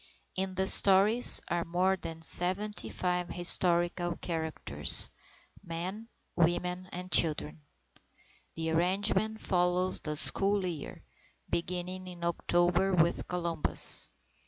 In the stories are more than 75 historical characters, men, women, and children. The arrangement follows the school year, beginning in October with Columbus.